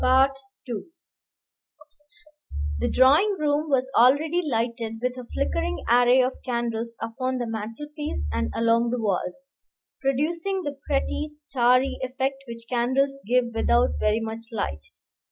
The drawing room was already lighted with a flickering array of candles upon the mantelpiece and along the walls, producing the pretty, starry effect which candles give without very much light.